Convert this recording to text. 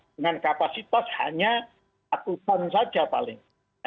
dengan kapasitas hanya ratusan saja paling